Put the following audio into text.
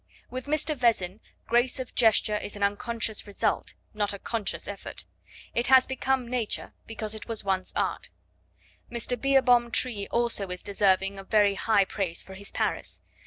With Mr. Vezin, grace of gesture is an unconscious result not a conscious effort. It has become nature, because it was once art. Mr. Beerbohm Tree also is deserving of very high praise for his Paris.